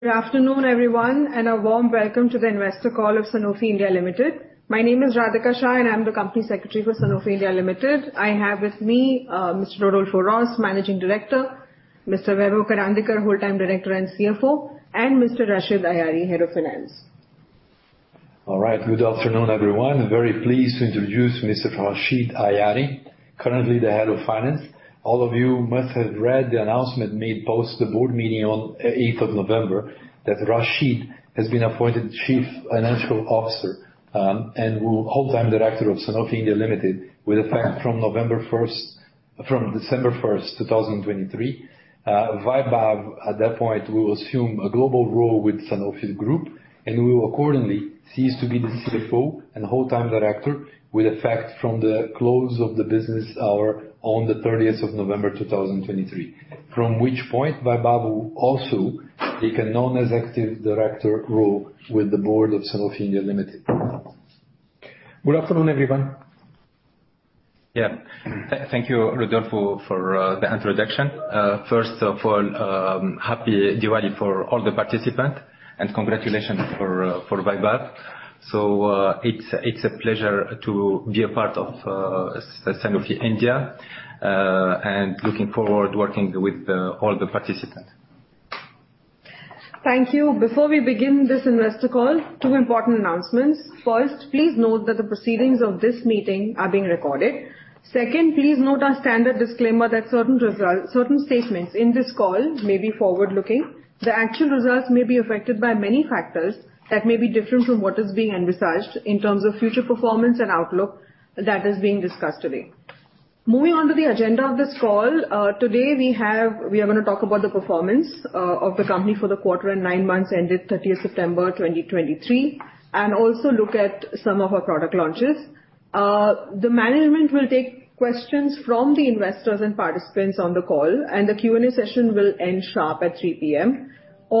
Good afternoon, everyone, and a warm welcome to the Investor Call of Sanofi India Limited. My name is Radhika Shah, and I'm the Company Secretary for Sanofi India Limited. I have with me, Mr. Rodolfo Hrosz, Managing Director, Mr. Vaibhav Karandikar, Whole-Time Director and CFO, and Mr. Rachid Ayari, Head of Finance. All right. Good afternoon, everyone. Very pleased to introduce Mr. Rachid Ayari, currently the Head of Finance. All of you must have read the announcement made post the board meeting on 8th of November that Rachid has been appointed Chief Financial Officer, and will be Whole-Time Director of Sanofi India Limited with effect from November 1st from December 1, 2023. Vaibhav, at that point, will assume a global role with Sanofi Group, and will accordingly cease to be the CFO and Whole-Time Director with effect from the close of the business hour on the November 30, 2023, from which point Vaibhav will also take a non-executive director role with the board of Sanofi India Limited. Good afternoon, everyone. Yeah. Thank you, Rodolfo, for the introduction. First of all, happy Diwali to all the participants, and congratulations for Vaibhav. So, it's a pleasure to be a part of Sanofi India, and looking forward to working with all the participants. Thank you. Before we begin this Investor Call, two important announcements. First, please note that the proceedings of this meeting are being recorded. Second, please note our standard disclaimer that certain results certain statements in this call may be forward-looking. The actual results may be affected by many factors that may be different from what is being advised in terms of future performance and outlook that is being discussed today. Moving on to the agenda of this call, today we are gonna talk about the performance of the company for the quarter and nine months ended September 30, 2023, and also look at some of our product launches. The management will take questions from the investors and participants on the call, and the Q&A session will end sharp at 3:00 P.M.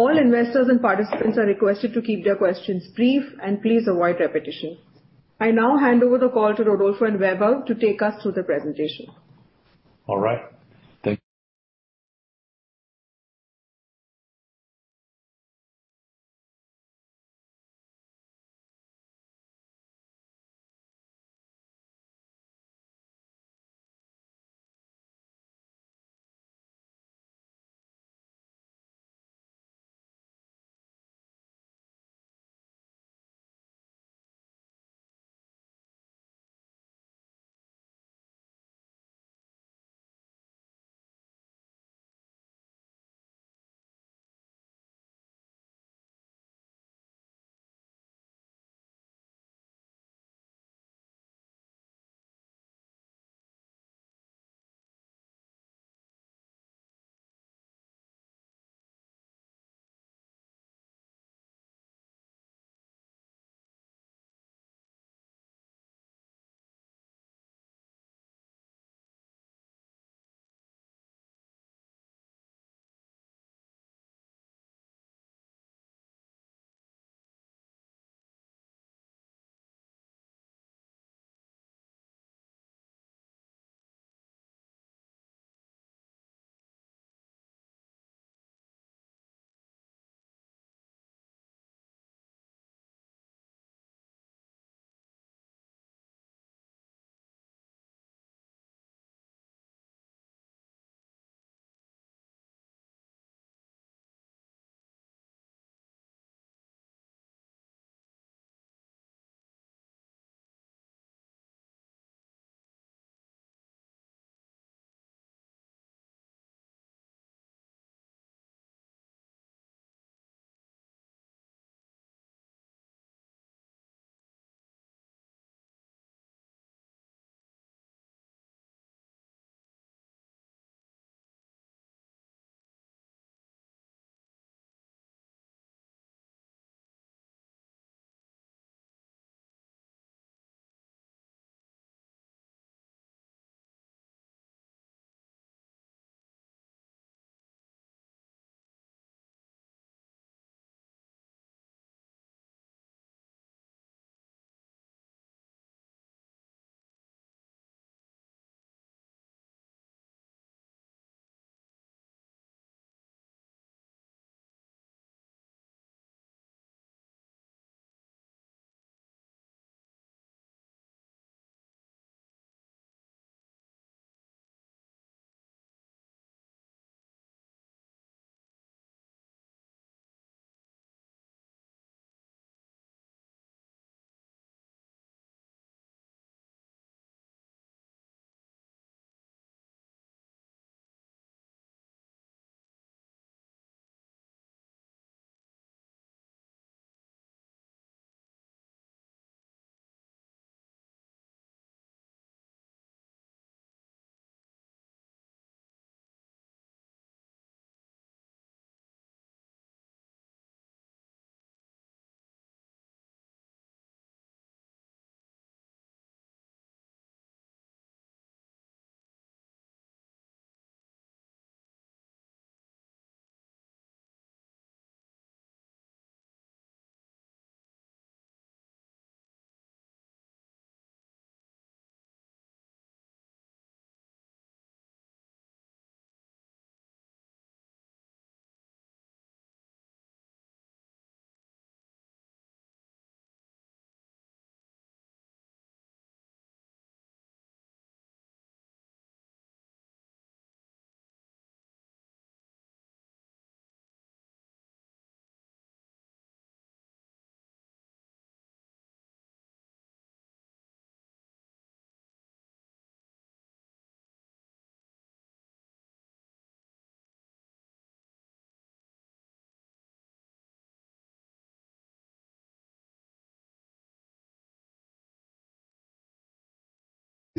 All investors and participants are requested to keep their questions brief, and please avoid repetition. I now hand over the call to Rodolfo and Vaibhav to take us through the presentation.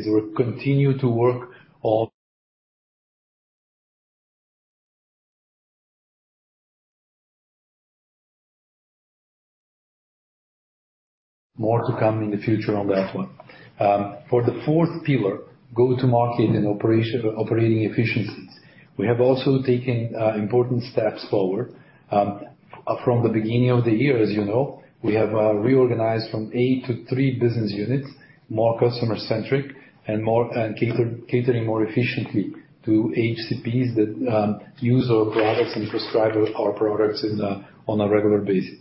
All right. Thank you. More to come in the future on that one. For the fourth pillar, go-to-market and operating efficiencies, we have also taken important steps forward. From the beginning of the year, as you know, we have reorganized from eight to three business units, more customer-centric and catering more efficiently to HCPs that use our products and prescribe our products on a regular basis.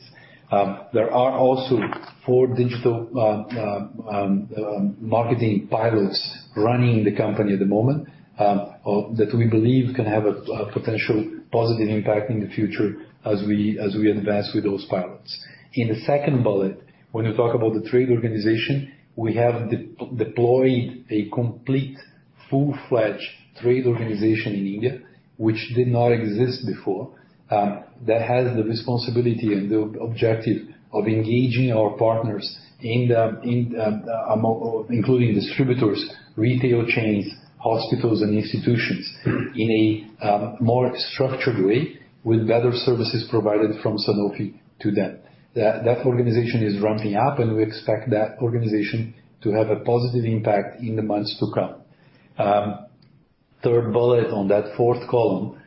There are also four digital marketing pilots running in the company at the moment that we believe can have a potential positive impact in the future as we advance with those pilots. In the second bullet, when we talk about the trade organization, we have deployed a complete, full-fledged trade organization in India, which did not exist before that has the responsibility and the objective of engaging our partners in, including distributors, retail chains, hospitals, and institutions in a more structured way with better services provided from Sanofi to them. That organization is ramping up, and we expect that organization to have a positive impact in the months to come. Third bullet on that fourth column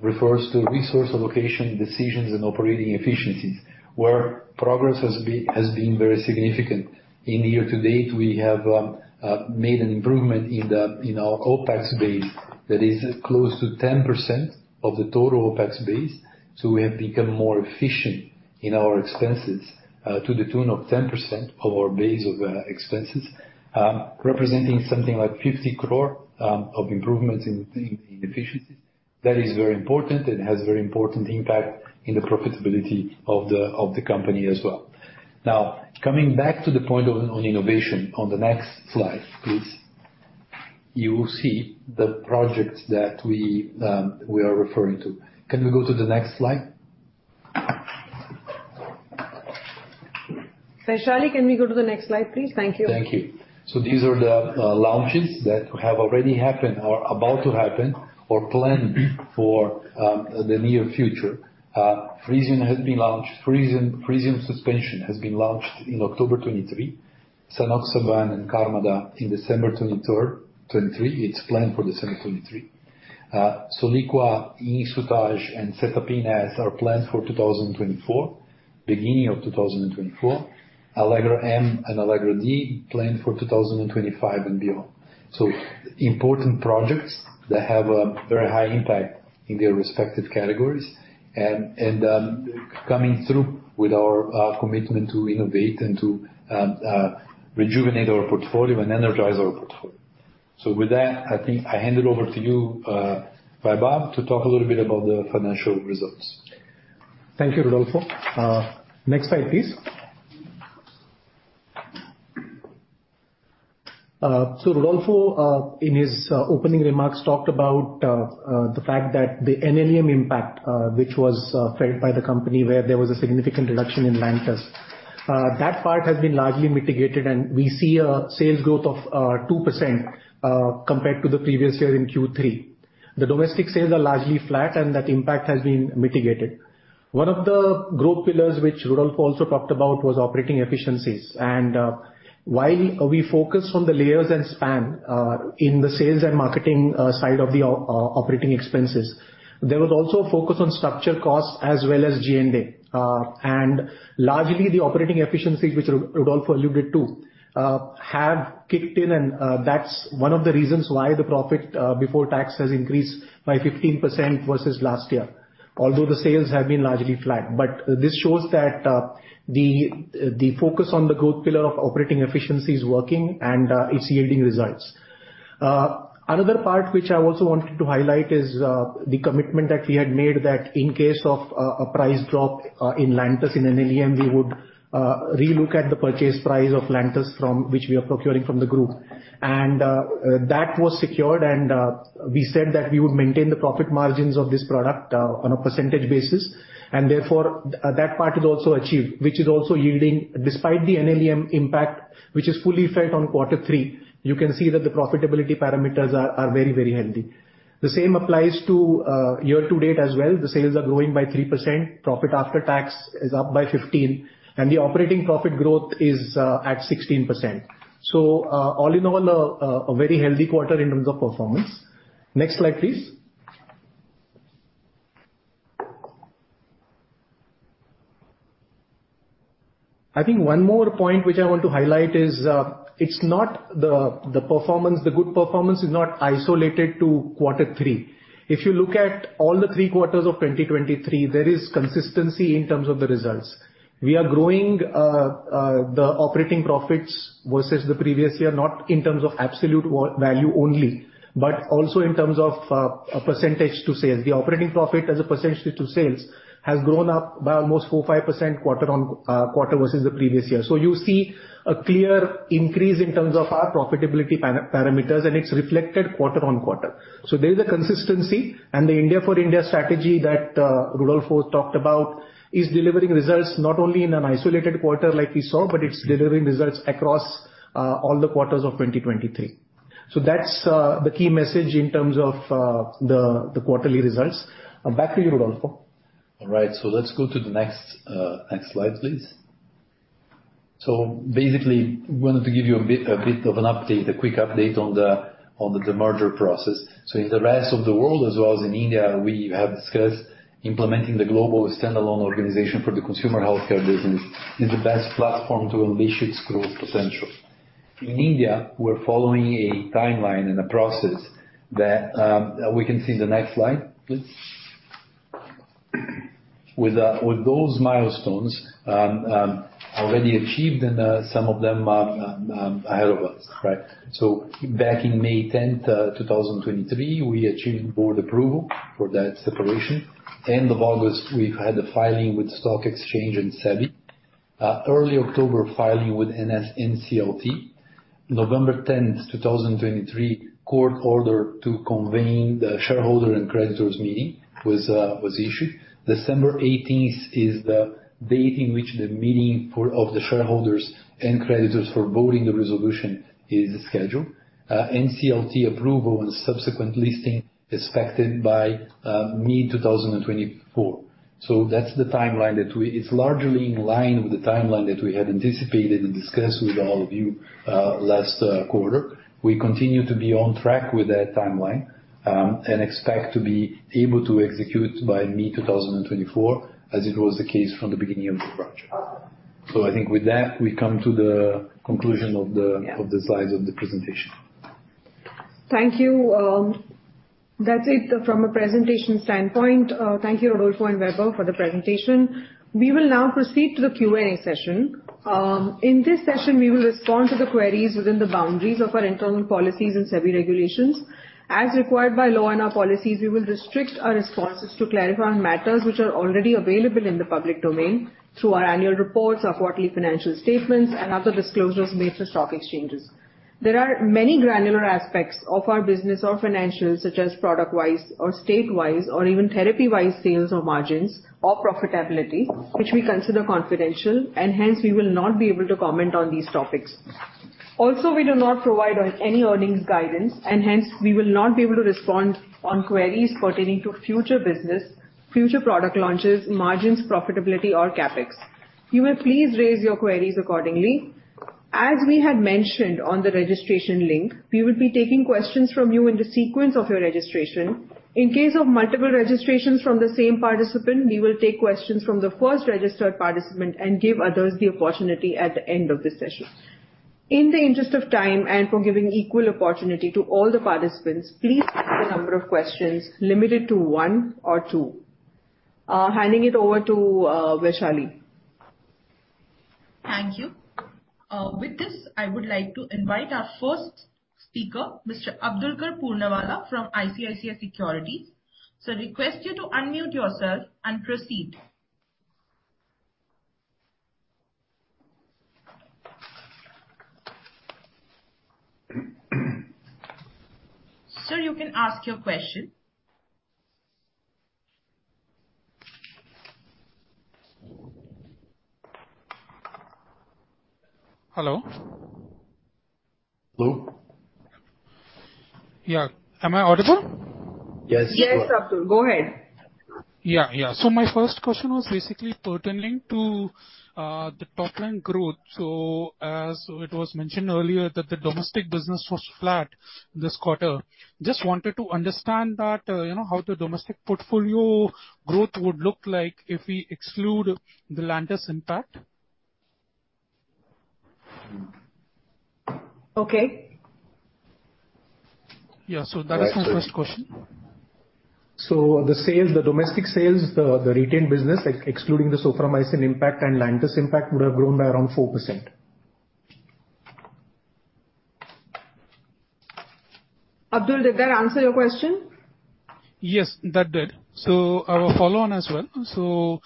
refers to resource allocation decisions and operating efficiencies, where progress has been very significant. In the year to date, we have made an improvement in our OPEX base that is close to 10% of the total OPEX base. So we have become more efficient in our expenses, to the tune of 10% of our base of expenses, representing something like 50 crore of improvements in efficiency. That is very important and has very important impact in the profitability of the company as well. Now, coming back to the point on innovation, on the next slide, please, you will see the projects that we are referring to. Can we go to the next slide? Vaishali, can we go to the next slide, please? Thank you. Thank you. So these are the launches that have already happened or about to happen or planned for the near future. Frisium Suspension has been launched in October 2023. Sanoxaban and Cardace in December 2022/2023. It's planned for December 2023. Soliqua, Insuman, and Cetapin are planned for 2024, beginning of 2024. Allegra-M and Allegra-D planned for 2025 and beyond. So important projects that have a very high impact in their respective categories and coming through with our commitment to innovate and to rejuvenate our portfolio and energize our portfolio. So with that, I think I hand it over to you, Vaibhav, to talk a little bit about the financial results. Thank you, Rodolfo. Next slide, please. So Rodolfo, in his opening remarks talked about the fact that the NLEM impact, which was felt by the company where there was a significant reduction in Lantus. That part has been largely mitigated, and we see a sales growth of 2%, compared to the previous year in Q3. The domestic sales are largely flat, and that impact has been mitigated. One of the growth pillars which Rodolfo also talked about was operating efficiencies. And, while we focused on the layers and span in the sales and marketing side of the operating expenses, there was also a focus on structure costs as well as G&A. And largely, the operating efficiencies, which Rodolfo alluded to, have kicked in, and that's one of the reasons why the profit before tax has increased by 15% versus last year, although the sales have been largely flat. But this shows that the focus on the growth pillar of operating efficiency is working, and it's yielding results. Another part which I also wanted to highlight is the commitment that we had made that in case of a price drop in Lantus in NLEM, we would relook at the purchase price of Lantus from which we are procuring from the group. And that was secured, and we said that we would maintain the profit margins of this product on a percentage basis. And therefore, that part is also achieved, which is also yielding despite the NLEM impact, which is fully felt on quarter three. You can see that the profitability parameters are very, very healthy. The same applies to year to date as well. The sales are growing by 3%. Profit after tax is up by 15%. And the operating profit growth is at 16%. So, all in all, a very healthy quarter in terms of performance. Next slide, please. I think one more point which I want to highlight is, it's not the performance; the good performance is not isolated to quarter three. If you look at all the three quarters of 2023, there is consistency in terms of the results. We are growing the operating profits versus the previous year, not in terms of absolute value only, but also in terms of a percentage to sales. The operating profit as a percentage to sales has grown up by almost 4%-5% quarter-on-quarter versus the previous year. So you see a clear increase in terms of our profitability parameters, and it's reflected quarter-on-quarter. So there is a consistency. The India for India strategy that Rodolfo talked about is delivering results not only in an isolated quarter like we saw, but it's delivering results across all the quarters of 2023. That's the key message in terms of the quarterly results. Back to you, Rodolfo. All right. So let's go to the next slide, please. So basically, we wanted to give you a bit of an update, a quick update on the merger process. So in the rest of the world as well as in India, we have discussed implementing the global standalone organization for the consumer healthcare business is the best platform to unleash its growth potential. In India, we're following a timeline and a process that we can see in the next slide, please. With those milestones already achieved and some of them ahead of us, right? So back in May 10, 2023, we achieved board approval for that separation. End of August, we've had a filing with the stock exchange and SEBI. Early October, filing with NCLT. November 10, 2023, court order to convene the shareholder and creditors meeting was issued. December 18th is the date in which the meeting for the shareholders and creditors for voting the resolution is scheduled. NCLT approval and subsequent listing expected by mid-2024. So that's the timeline that it's largely in line with the timeline that we had anticipated and discussed with all of you last quarter. We continue to be on track with that timeline, and expect to be able to execute by mid-2024 as it was the case from the beginning of the project. So I think with that, we come to the conclusion of the slides of the presentation. Thank you. That's it from a presentation standpoint. Thank you, Rodolfo and Vaibhav, for the presentation. We will now proceed to the Q&A session. In this session, we will respond to the queries within the boundaries of our internal policies and SEBI regulations. As required by law and our policies, we will restrict our responses to clarifying matters which are already available in the public domain through our annual reports, our quarterly financial statements, and other disclosures made to stock exchanges. There are many granular aspects of our business or financials such as product-wise or state-wise or even therapy-wise sales or margins or profitability which we consider confidential, and hence, we will not be able to comment on these topics. Also, we do not provide any earnings guidance, and hence, we will not be able to respond on queries pertaining to future business, future product launches, margins, profitability, or capex. You may please raise your queries accordingly. As we had mentioned on the registration link, we will be taking questions from you in the sequence of your registration. In case of multiple registrations from the same participant, we will take questions from the first registered participant and give others the opportunity at the end of the session. In the interest of time and for giving equal opportunity to all the participants, please ask a number of questions limited to one or two. Handing it over to Vaishali. Thank you. With this, I would like to invite our first speaker, Mr. Abdulkader Puranwala from ICICI Securities. So request you to unmute yourself and proceed. Sir, you can ask your question. Hello. Hello? Yeah. Am I audible? Yes. Yes, Abdul. Go ahead. Yeah. Yeah. So my first question was basically pertaining to the top-line growth. So as it was mentioned earlier that the domestic business was flat this quarter, just wanted to understand that, you know, how the domestic portfolio growth would look like if we exclude the Lantus impact. Okay. Yeah. So that is my first question. So the sales, the domestic sales, the retail business, excluding the Soframycin impact and Lantus impact, would have grown by around 4%. Abdul, did that answer your question? Yes, that did. So I will follow on as well. So,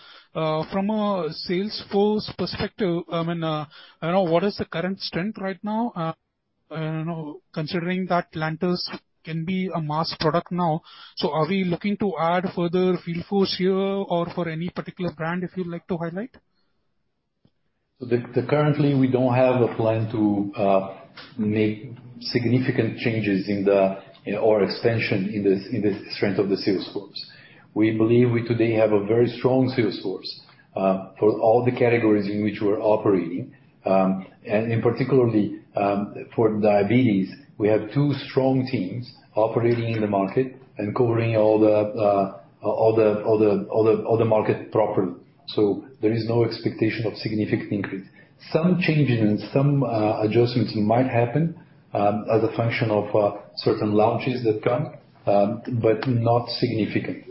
from a sales force perspective, I mean, I don't know what is the current strength right now. I don't know, considering that Lantus can be a mass product now. So are we looking to add further field force here or for any particular brand if you'd like to highlight? So currently, we don't have a plan to make significant changes in our expansion in this strength of the sales force. We believe we today have a very strong sales force for all the categories in which we're operating, and in particular, for diabetes, we have two strong teams operating in the market and covering all the market properly. So there is no expectation of significant increase. Some changes and some adjustments might happen, as a function of certain launches that come, but not significant.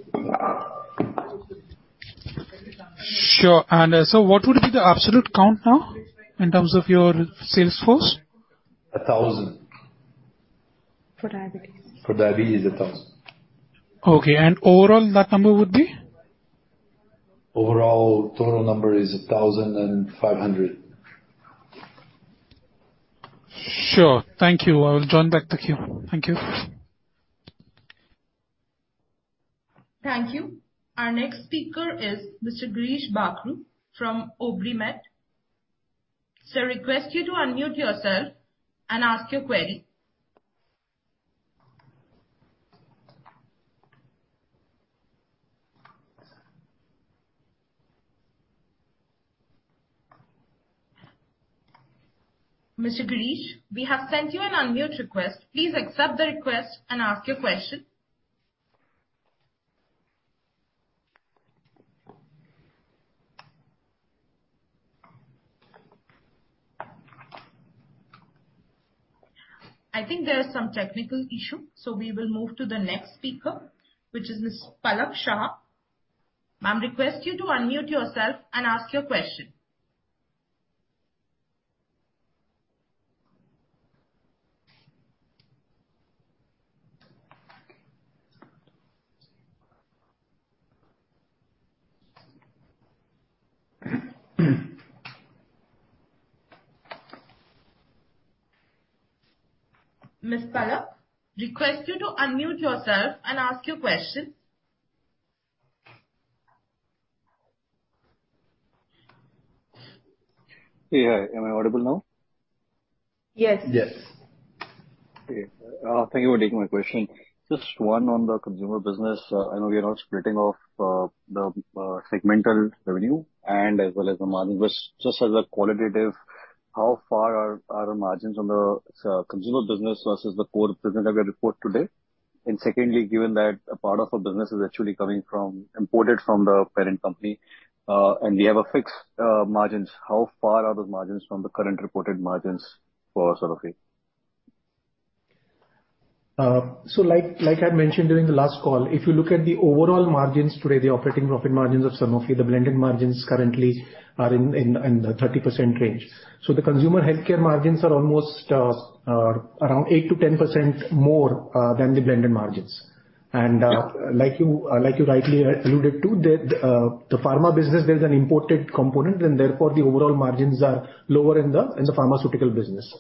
Sure. So, what would be the absolute count now in terms of your sales force? 1,000. For diabetes? For diabetes, 1,000. Okay. Overall, that number would be? Overall, total number is 1,500. Sure. Thank you. I will join back to queue. Thank you. Thank you. Our next speaker is Mr. Girish Bakhru from OrbiMed. So request you to unmute yourself and ask your query. Mr. Girish, we have sent you an unmute request. Please accept the request and ask your question. I think there is some technical issue, so we will move to the next speaker, which is Ms. Palak Shah. Ma'am, request you to unmute yourself and ask your question. Ms. Palak, request you to unmute yourself and ask your question. Hey. Hi. Am I audible now? Yes. Yes. Okay. Thank you for taking my question. Just one on the consumer business. I know we are not splitting off the segmental revenue and as well as the margins. But just as a qualitative, how far are our margins on the consumer business versus the core presented by the report today? And secondly, given that a part of our business is actually coming from imported from the parent company, and we have fixed margins, how far are those margins from the current reported margins for Sanofi? So like I had mentioned during the last call, if you look at the overall margins today, the operating profit margins of Sanofi, the blended margins currently are in the 30% range. So the consumer healthcare margins are almost around 8%-10% more than the blended margins. And like you rightly alluded to, the pharma business, there's an imported component, and therefore the overall margins are lower in the pharmaceutical business.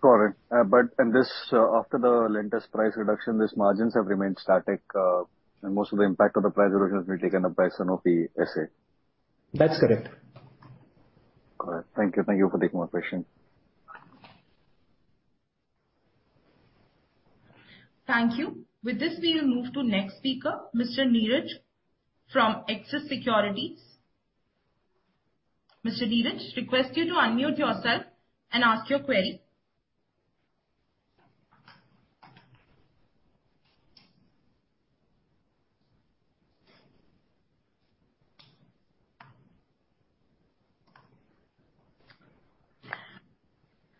Got it. But in this, after the Lantus price reduction, these margins have remained static, and most of the impact of the price reduction has been taken up by Sanofi S.A. That's correct. Got it. Thank you. Thank you for taking my question. Thank you. With this, we will move to next speaker, Mr. Neeraj Gaur from Axis Securities. Mr. Neeraj, request you to unmute yourself and ask your query.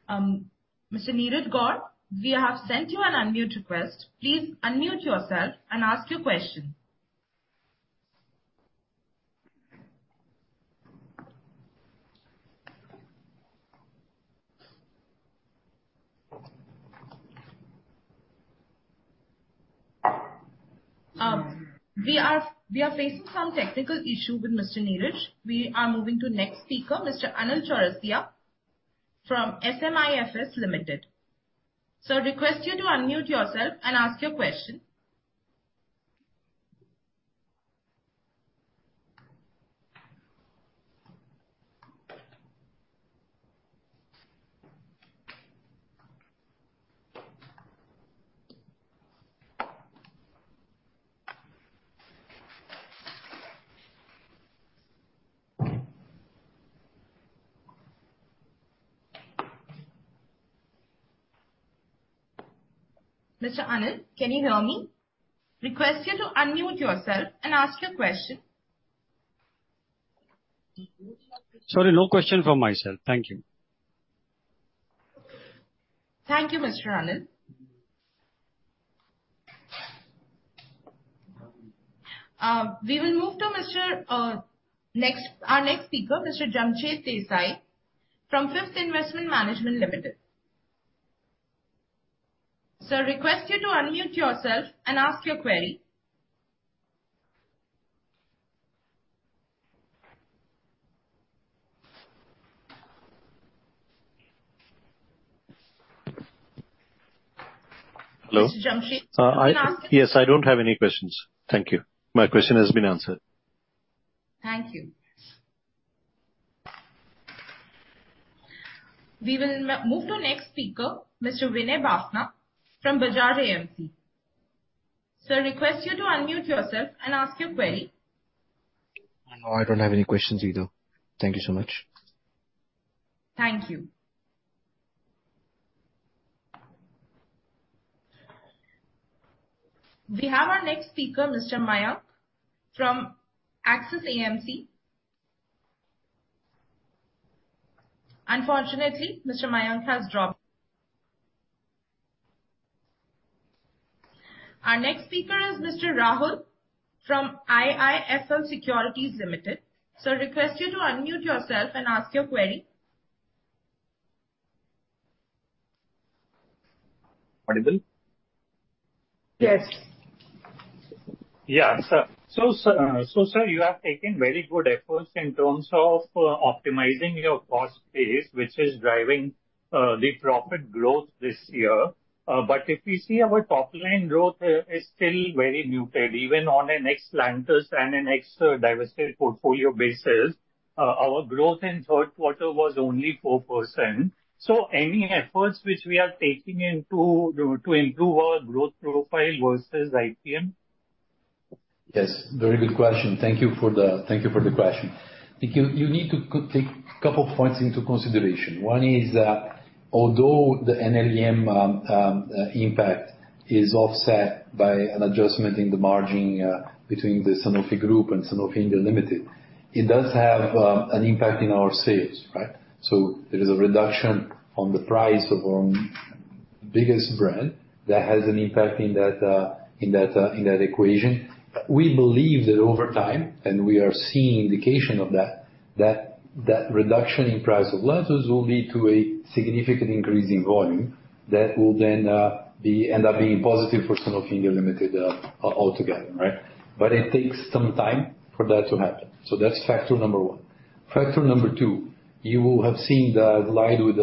Mr. Neeraj Gaur, we have sent you an unmute request. Please unmute yourself and ask your question. We are facing some technical issue with Mr. Neeraj. We are moving to next speaker, Mr. Anil Chaurasia from SMIFS Limited. Request you to unmute yourself and ask your question. Mr. Anil, can you hear me? Request you to unmute yourself and ask your question. Sorry. No question from myself. Thank you. Thank you, Mr. Anil. We will move to our next speaker, Mr. Jamshed Desai from Firth Investment Management Pte Ltd. So, request you to unmute yourself and ask your query. Hello. Mr. Jamshed, can you ask? Yes, I don't have any questions. Thank you. My question has been answered. Thank you. We will move to next speaker, Mr. Vinay Bafna from Bajaj AMC. So request you to unmute yourself and ask your query. No, I don't have any questions either. Thank you so much. Thank you. We have our next speaker, Mr. Mayank from Axis AMC. Unfortunately, Mr. Mayank has dropped. Our next speaker is Mr. Rahul from IIFL Securities Limited. So request you to unmute yourself and ask your query. Audible? Yes. Yeah. Sir, you have taken very good efforts in terms of optimizing your cost base, which is driving the profit growth this year. But if we see our top-line growth, it is still very muted. Even on an ex-Lantus and an ex-diversified portfolio basis, our growth in third quarter was only 4%. So any efforts which we are taking into to improve our growth profile versus IPM? Yes. Very good question. Thank you for the question. Thank you, you need to take a couple of points into consideration. One is, although the NLEM impact is offset by an adjustment in the margin, between the Sanofi Group and Sanofi India Limited, it does have an impact in our sales, right? So there is a reduction on the price of our biggest brand that has an impact in that equation. We believe that over time - and we are seeing indications of that reduction in price of Lantus will lead to a significant increase in volume that will then end up being positive for Sanofi India Limited, altogether, right? But it takes some time for that to happen. So that's factor number one. Factor number two, you will have seen the slide with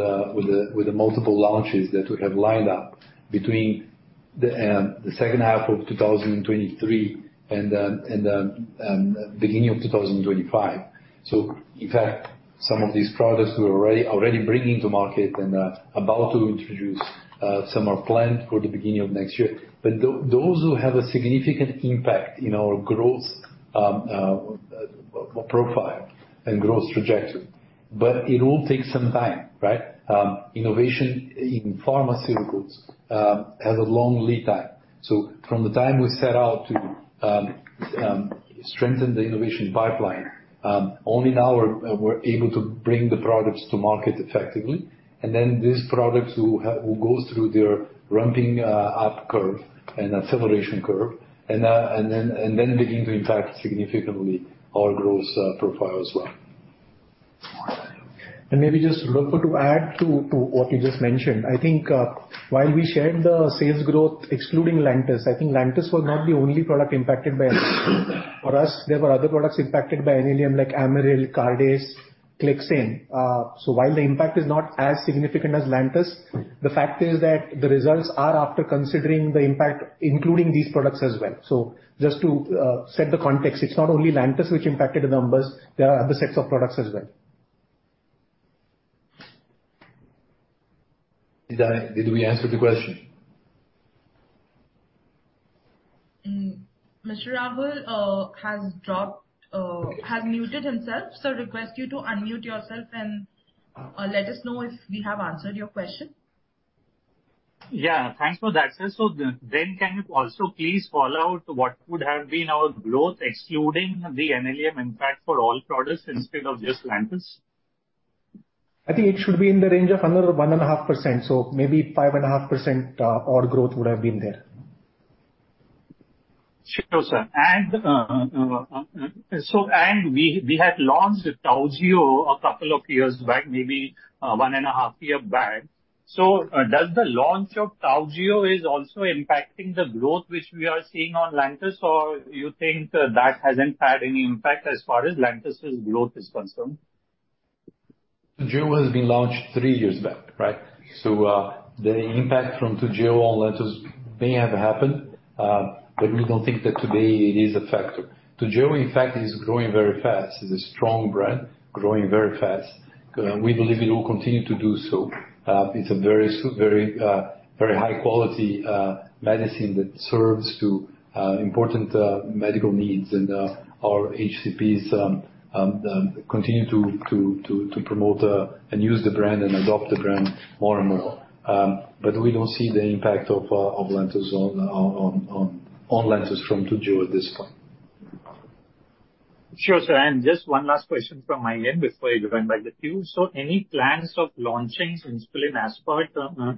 the multiple launches that we have lined up between the second half of 2023 and beginning of 2025. So in fact, some of these products we're already bringing to market and about to introduce; some are planned for the beginning of next year. But those who have a significant impact in our growth profile and growth trajectory. But it will take some time, right? Innovation in pharmaceuticals has a long lead time. So from the time we set out to strengthen the innovation pipeline, only now we're able to bring the products to market effectively. And then these products will go through their ramping up curve and acceleration curve and then begin to impact significantly our growth profile as well. Maybe just a little bit to add to what you just mentioned. I think, while we shared the sales growth excluding Lantus, I think Lantus was not the only product impacted by, for us, there were other products impacted by NLEM like Amaryl, Cardace, Clexane. So while the impact is not as significant as Lantus, the fact is that the results are after considering the impact including these products as well. So just to set the context, it's not only Lantus which impacted the numbers. There are other sets of products as well. Did we answer the question? Mr. Rahul has dropped, has muted himself. So request you to unmute yourself and let us know if we have answered your question. Yeah. Thanks for that. Sir, so then can you also please call out what would have been our growth excluding the NLEM impact for all products instead of just Lantus? I think it should be in the range of another 1.5%. So maybe 5.5%, or growth would have been there. Sure, sir. So, we had launched Toujeo a couple of years back, maybe 1.5 years back. So, does the launch of Toujeo is also impacting the growth which we are seeing on Lantus, or you think that hasn't had any impact as far as Lantus's growth is concerned? Toujeo has been launched three years back, right? So, the impact from Toujeo on Lantus may have happened, but we don't think that today it is a factor. Toujeo, in fact, is growing very fast. It's a strong brand growing very fast. We believe it will continue to do so. It's a very, very, very high-quality medicine that serves important medical needs and our HCPs continue to promote and use the brand and adopt the brand more and more. But we don't see the impact of Toujeo on Lantus from Toujeo at this point. Sure, sir. And just one last question from my end before I join back to Q. So any plans of launching insulin aspart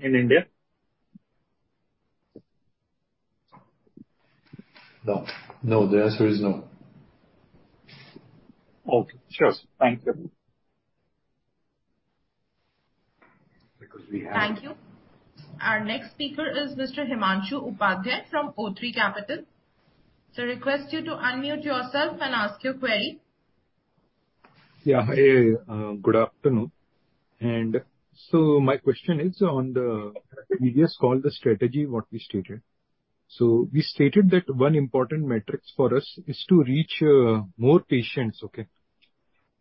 in India? No. No, the answer is no. Okay. Sure, sir. Thank you. Because we have. Thank you. Our next speaker is Mr. Himanshu Upadhyay from o3 Capital. Request you to unmute yourself and ask your query. Yeah. Hey. Good afternoon. So my question is on the previous call, the strategy, what we stated. So we stated that one important metric for us is to reach more patients, okay?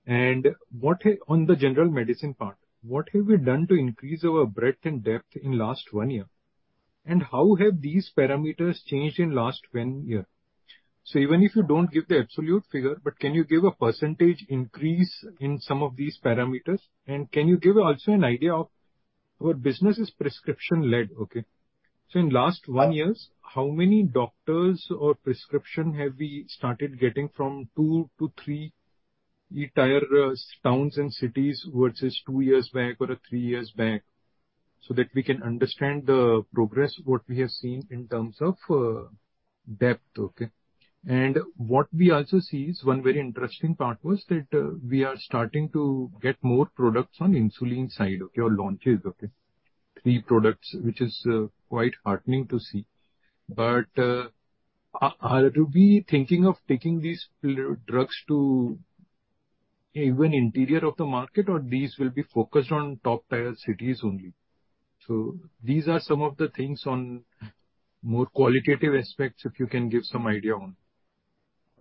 And what have we done on the general medicine part, what have we done to increase our breadth and depth in last one year? And how have these parameters changed in last one year? So even if you don't give the absolute figure, but can you give a percentage increase in some of these parameters? And can you give also an idea of our business is prescription-led, okay? So in last one years, how many doctors or prescription have we started getting from Tier 2 to Tier 3 entire towns and cities versus two years back or three years back? So that we can understand the progress, what we have seen in terms of depth, okay? What we also see is one very interesting part was that, we are starting to get more products on insulin side, okay, or launches, okay? Three products, which is quite heartening to see. Are we thinking of taking these GLP-1 drugs to even interior of the market, or these will be focused on top-tier cities only? So these are some of the things on more qualitative aspects if you can give some idea on.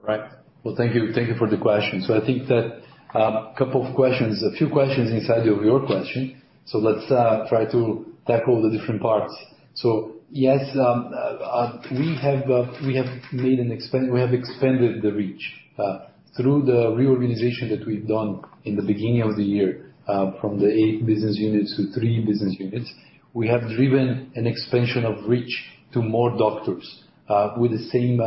Right. Well, thank you. Thank you for the question. So I think that a couple of questions, a few questions inside of your question. So let's try to tackle the different parts. So yes, we have expanded the reach through the reorganization that we've done in the beginning of the year, from the 8 business units to three business units. We have driven an expansion of reach to more doctors, with the same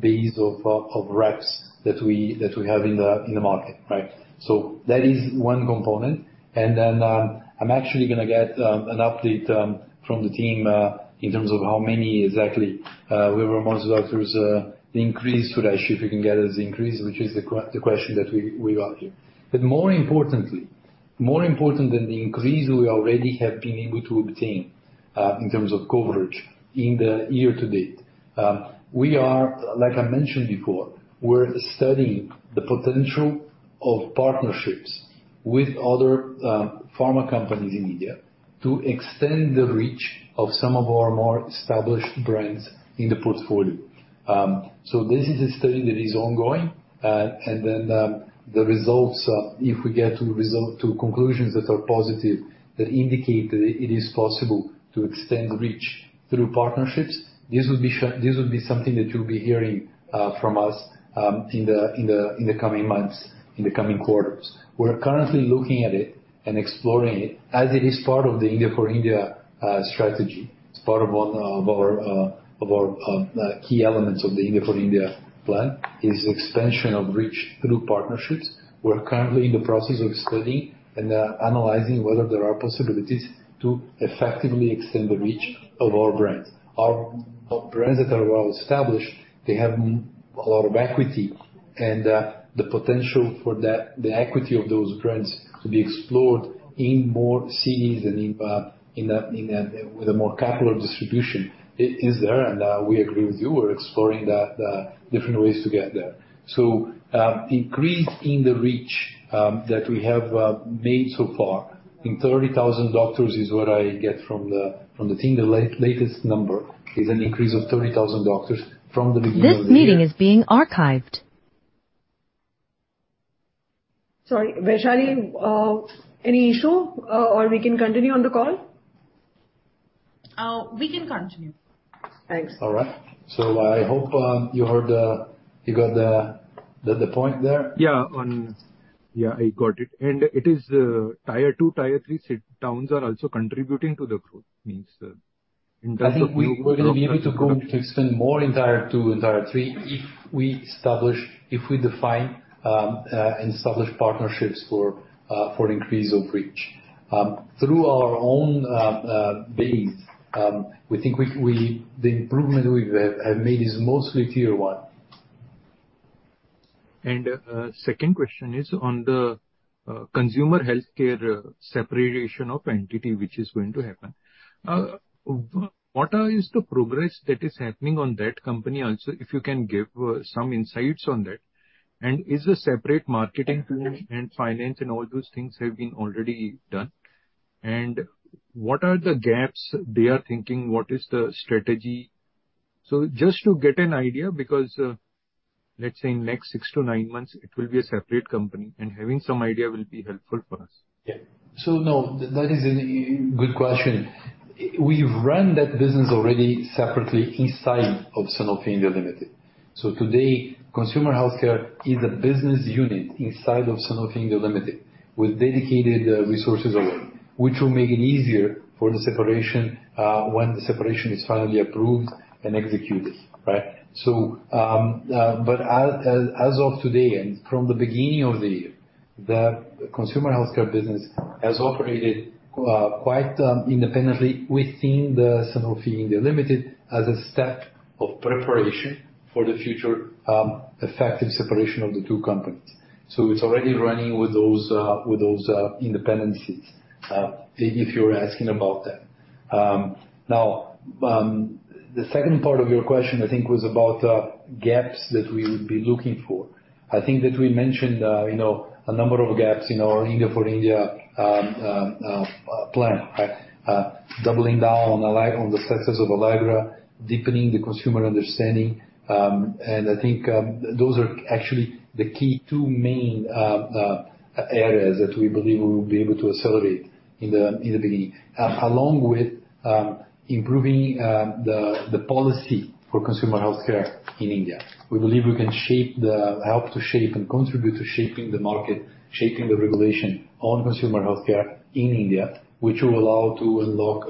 base of reps that we have in the market, right? So that is one component. And then, I'm actually gonna get an update from the team in terms of how many exactly we reached most doctors, the increase today, if you can get us the increase, which is the question that we got here. But more importantly more important than the increase we already have been able to obtain, in terms of coverage in the year to date, we are like I mentioned before, we're studying the potential of partnerships with other pharma companies in India to extend the reach of some of our more established brands in the portfolio. So this is a study that is ongoing. And then, the results, if we get to resolve to conclusions that are positive that indicate that it is possible to extend reach through partnerships, this would be this would be something that you'll be hearing from us in the coming months, in the coming quarters. We're currently looking at it and exploring it as it is part of the India for India strategy. It's part of one of our key elements of the India for India plan is expansion of reach through partnerships. We're currently in the process of studying and analyzing whether there are possibilities to effectively extend the reach of our brands. Our brands that are well-established, they have a lot of equity. And, the potential for the equity of those brands to be explored in more cities and in a with a more capillary distribution is there. And, we agree with you. We're exploring the different ways to get there. So, increase in the reach that we have made so far in 30,000 doctors is what I get from the team. The latest number is an increase of 30,000 doctors from the beginning of the year. This meeting is being archived. Sorry. Vaishali, any issue, or we can continue on the call? We can continue. Thanks. All right. So I hope you heard, you got the point there? Yeah. Oh yeah, I got it. And it is Tier 2, Tier 3 cities, towns are also contributing to the growth, meaning in terms of we. I think we're gonna be able to go to extend more in Tier 2, in Tier 3 if we establish, define, and establish partnerships for increase of reach through our own base. We think the improvement we've made is mostly Tier 1. Second question is on the consumer healthcare separation of entity, which is going to happen. What is the progress that is happening on that company also, if you can give some insights on that? And is the separate marketing tool and finance and all those things have been already done? And what are the gaps they are thinking? What is the strategy? So just to get an idea because, let's say in next six to nine months, it will be a separate company. And having some idea will be helpful for us. Yeah. So no, that is a good question. I've run that business already separately inside of Sanofi India Limited. So today, consumer healthcare is a business unit inside of Sanofi India Limited with dedicated resources alone, which will make it easier for the separation, when the separation is finally approved and executed, right? So, but as of today and from the beginning of the year, the consumer healthcare business has operated quite independently within the Sanofi India Limited as a step of preparation for the future, effective separation of the two companies. So it's already running with those independencies, if you're asking about that. Now, the second part of your question, I think, was about gaps that we would be looking for. I think that we mentioned, you know, a number of gaps in our India for India plan, right? Doubling down on Allegra on the success of Allegra, deepening the consumer understanding. And I think, those are actually the key two main areas that we believe we will be able to accelerate in the beginning, along with improving the policy for consumer healthcare in India. We believe we can shape the help to shape and contribute to shaping the market, shaping the regulation on consumer healthcare in India, which will allow to unlock,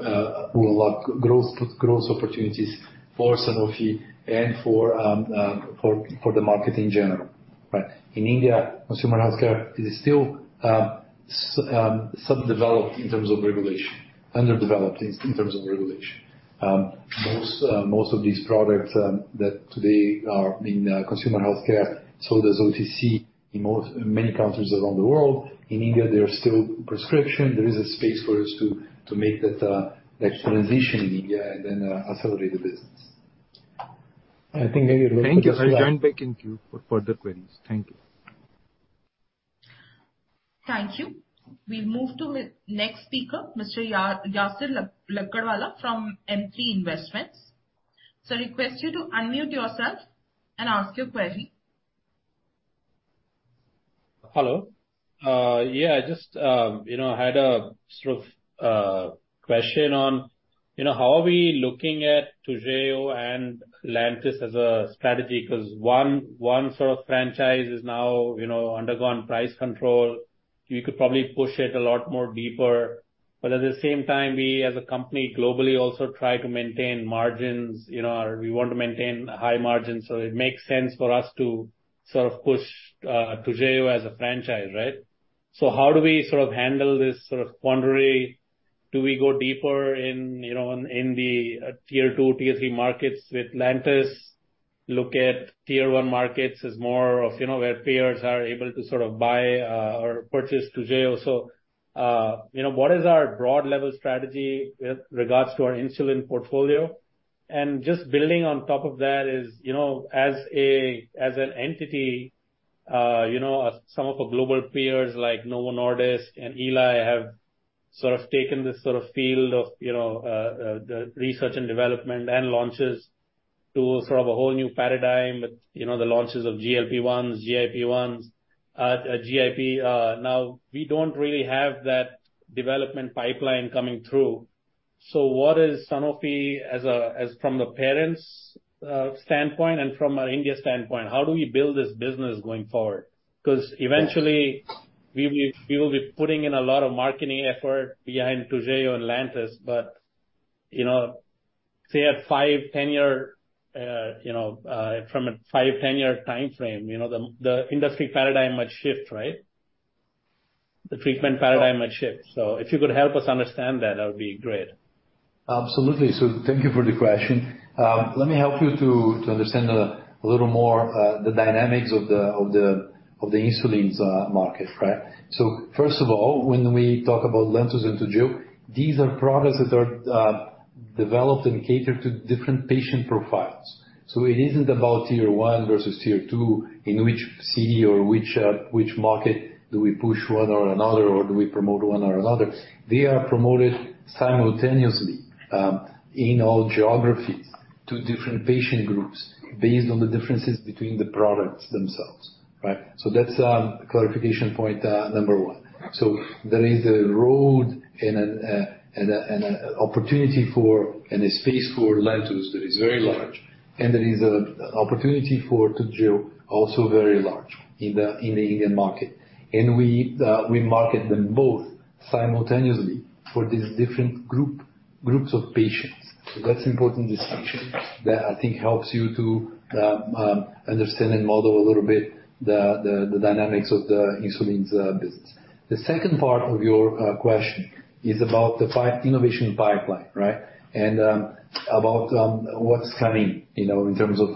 will unlock growth opportunities for Sanofi and for the market in general, right? In India, consumer healthcare is still subdeveloped in terms of regulation, underdeveloped in terms of regulation. Most of these products that today are in consumer healthcare, so does OTC in many countries around the world. In India, there's still prescription. There is a space for us to make that transition in India and then accelerate the business. I think maybe a little bit of. Thank you. I join back in Q for further queries. Thank you. Thank you. We've moved to our next speaker, Mr. Yasser Lakdawala from M3 Investment. So request you to unmute yourself and ask your query. Hello. Yeah, I just, you know, had a sort of question on, you know, how are we looking at Toujeo and Lantus as a strategy? 'Cause one sort of franchise is now, you know, undergone price control. We could probably push it a lot more deeper. But at the same time, we as a company globally also try to maintain margins, you know, or we want to maintain high margins. So it makes sense for us to sort of push Toujeo as a franchise, right? So how do we sort of handle this sort of quandary? Do we go deeper in the Tier 2, Tier 3 markets with Lantus, look at Tier 1 markets as more of, you know, where peers are able to sort of buy, or purchase Toujeo? So, you know, what is our broad-level strategy with regards to our insulin portfolio? And just building on top of that is, you know, as an entity, you know, some of our global peers like Novo Nordisk and Eli Lilly have sort of taken this sort of field of, you know, the research and development and launches to sort of a whole new paradigm with, you know, the launches of GLP-1, GIP. Now, we don't really have that development pipeline coming through. So what is Sanofi as from the parent's standpoint and from our India standpoint, how do we build this business going forward? 'Cause eventually, we will be we will be putting in a lot of marketing effort behind Toujeo and Lantus. But, you know, say at five, 10-year, you know, from a five, 10-year timeframe, you know, the m the industry paradigm might shift, right? The treatment paradigm might shift. If you could help us understand that, that would be great. Absolutely. So thank you for the question. Let me help you to understand a little more the dynamics of the insulin market, right? So first of all, when we talk about Lantus and Toujeo, these are products that are developed and catered to different patient profiles. So it is not about Tier 1 versus Tier 2 in which city or which market do we push one or another, or do we promote one or another. They are promoted simultaneously in all geographies to different patient groups based on the differences between the products themselves, right? So that's clarification point number one. So there is a role and an opportunity and a space for Lantus that is very large. And there is an opportunity for Toujeo also very large in the Indian market. We market them both simultaneously for these different groups of patients. So that's an important distinction that I think helps you to understand and model a little bit the dynamics of the insulin business. The second part of your question is about the DI innovation pipeline, right? And about what's coming, you know, in terms of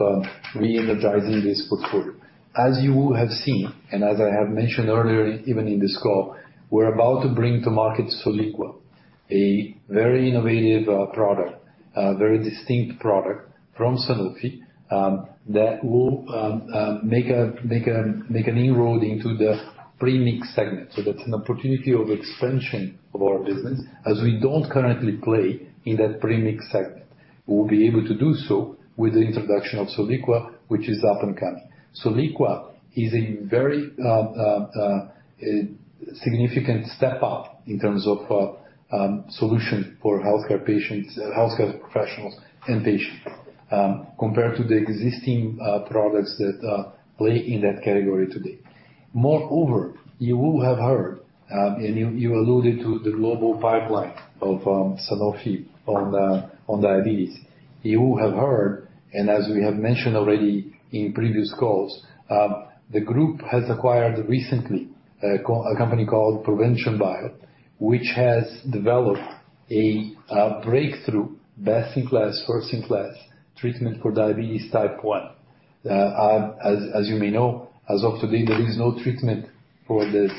re-energizing this portfolio. As you have seen and as I have mentioned earlier even in this call, we're about to bring to market Soliqua, a very innovative product, very distinct product from Sanofi, that will make an inroad into the premix segment. So that's an opportunity of expansion of our business as we don't currently play in that premix segment. We'll be able to do so with the introduction of Soliqua, which is up and coming. Soliqua is a very significant step up in terms of a solution for healthcare patients, healthcare professionals and patients, compared to the existing products that play in that category today. Moreover, you will have heard, and you alluded to the global pipeline of Sanofi on diabetes. You will have heard and as we have mentioned already in previous calls, the group has acquired recently a company called Provention Bio, which has developed a breakthrough best-in-class first-in-class treatment for diabetes type 1. As you may know, as of today, there is no treatment for this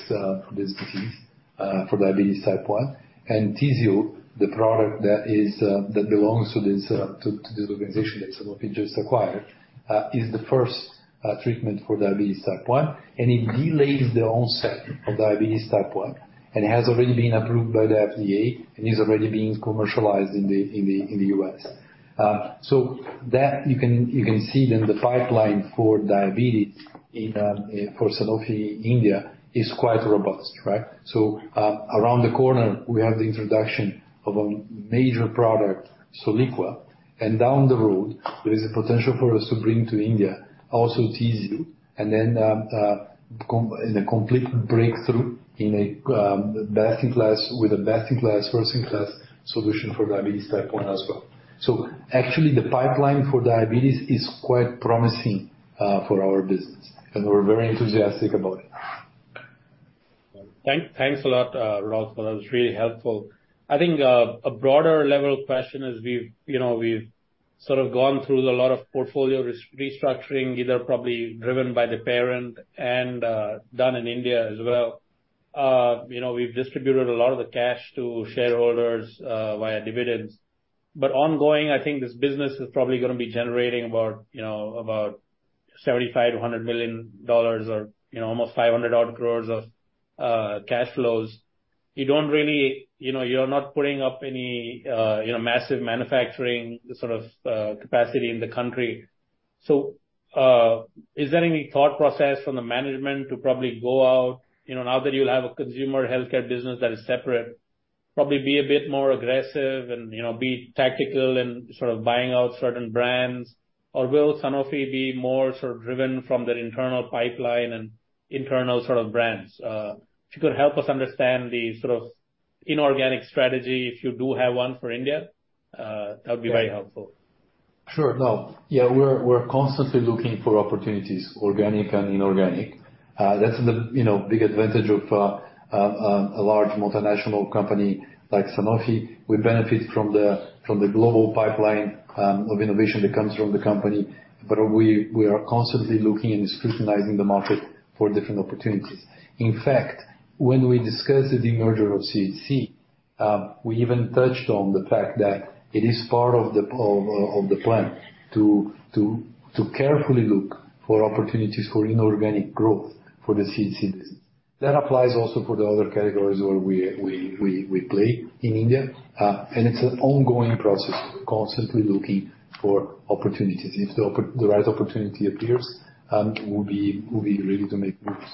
disease, for diabetes type 1. And Tzield, the product that belongs to this organization that Sanofi just acquired, is the first treatment for diabetes type 1. And it delays the onset of diabetes type 1. It has already been approved by the FDA and is already being commercialized in the US, so that you can see then the pipeline for diabetes for Sanofi India is quite robust, right? So, around the corner, we have the introduction of a major product, Soliqua. And down the road, there is a potential for us to bring to India also Toujeo and then Tzield in a complete breakthrough, a best-in-class with a best-in-class, first-in-class solution for diabetes type 1 as well. So actually, the pipeline for diabetes is quite promising for our business. And we're very enthusiastic about it. Thanks a lot, Rodolfo. That was really helpful. I think, a broader-level question is we've, you know, we've sort of gone through a lot of portfolio restructuring, either probably driven by the parent and, done in India as well. You know, we've distributed a lot of the cash to shareholders, via dividends. But ongoing, I think this business is probably gonna be generating about, you know, about $75 million-$100 million or, you know, almost 500-odd crores of cash flows. You don't really you know, you're not putting up any, you know, massive manufacturing sort of, capacity in the country. So, is there any thought process from the management to probably go out, you know, now that you'll have a Consumer Healthcare business that is separate, probably be a bit more aggressive and, you know, be tactical in sort of buying out certain brands? Or will Sanofi be more sort of driven from their internal pipeline and internal sort of brands? If you could help us understand the sort of inorganic strategy, if you do have one for India, that would be very helpful. Sure. Sure. No. Yeah, we're, we're constantly looking for opportunities, organic and inorganic. That's the, you know, big advantage of a large multinational company like Sanofi. We benefit from the global pipeline of innovation that comes from the company. But we are constantly looking and scrutinizing the market for different opportunities. In fact, when we discussed the merger of CHC, we even touched on the fact that it is part of the plan to carefully look for opportunities for inorganic growth for the CHC business. That applies also for the other categories where we play in India. And it's an ongoing process, constantly looking for opportunities. If the right opportunity appears, we'll be ready to make moves.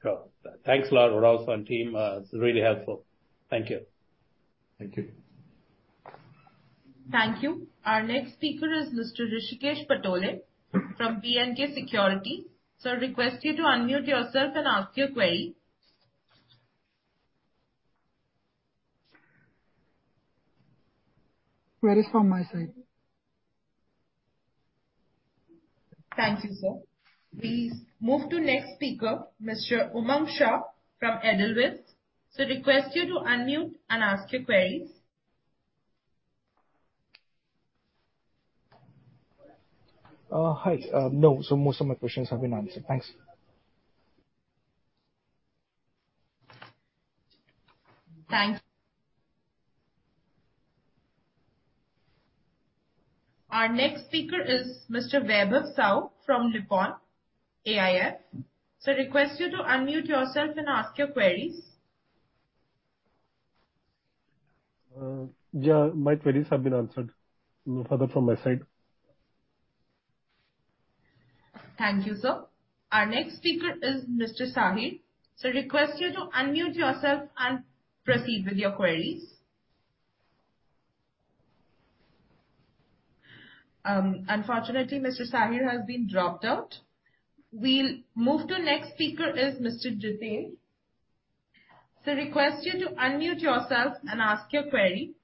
Cool. Thanks a lot, Rodolfo and team. It's really helpful. Thank you. Thank you. Thank you. Our next speaker is Mr. Rishikesh Patole from B&K Securities. Request you to unmute yourself and ask your query. Ready. It's from my side. Thank you, sir. We now move to next speaker, Mr. Umang Shah from Edelweiss. So request you to unmute and ask your queries. Hi. No. So most of my questions have been answered. Thanks. Thank you. Our next speaker is Mr. Vaibhav Sahu from Nippon AIF. Request you to unmute yourself and ask your queries. Yeah. My queries have been answered, no further from my side. Thank you, sir. Our next speaker is Mr. Sahir. Request you to unmute yourself and proceed with your queries. Unfortunately, Mr. Sahir has been dropped out. We'll move to next speaker is Mr. Jiten. Request you to unmute yourself and ask your query.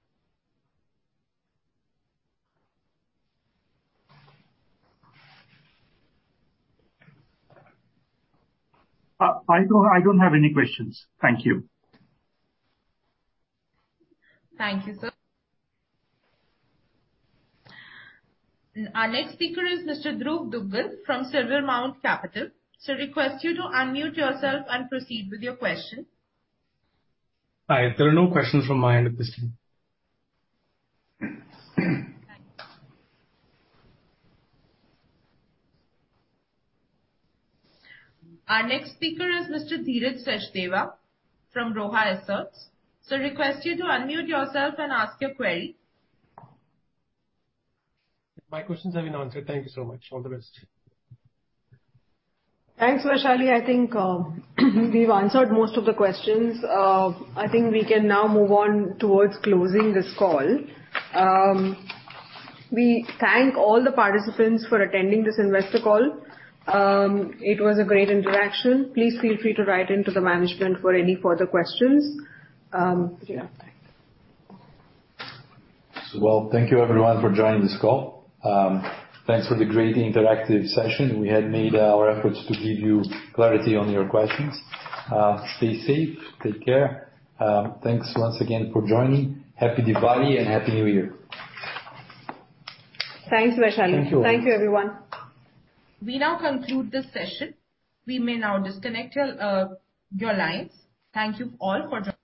I don't have any questions. Thank you. Thank you, sir. Now our next speaker is Mr. Dhruv Duggal from Silver Mount Capital. Request you to unmute yourself and proceed with your question. Hi. There are no questions from my end at this time. Thank you. Our next speaker is Mr. Dhiraj Sachdev from Roha Asset Managers. So request you to unmute yourself and ask your query. My questions have been answered. Thank you so much. All the best. Thanks, Vaishali. I think, we've answered most of the questions. I think we can now move on towards closing this call. We thank all the participants for attending this investor call. It was a great interaction. Please feel free to write into the management for any further questions. Yeah. So, well, thank you, everyone, for joining this call. Thanks for the great interactive session. We had made our efforts to give you clarity on your questions. Stay safe. Take care. Thanks once again for joining. Happy Diwali and Happy New Year. Thanks, Vaishali. Thank you. Thank you, everyone. We now conclude this session. We may now disconnect your lines. Thank you all for joining.